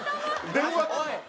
電話。